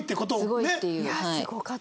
すごいっていうはい。